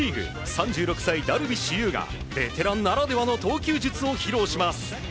３６歳、ダルビッシュ有がベテランならではの投球術を披露します。